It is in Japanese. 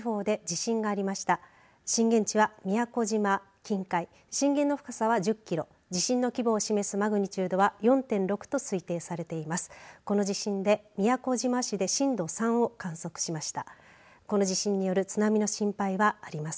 震源地は宮古島近海震源の深さは１０キロ地震の規模を示すマグニチュードは４．６と推定されています。